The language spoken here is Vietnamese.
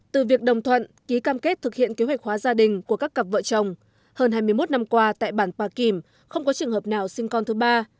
từ việc đồng thuận ký cam kết thực hiện kế hoạch hóa gia đình của các cặp vợ chồng hơn hai mươi một năm qua tại bản pà kìm không có trường hợp nào sinh con thứ ba